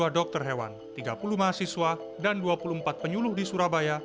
dua puluh dua dokter hewan tiga puluh mahasiswa dan dua puluh empat penyuluh di surabaya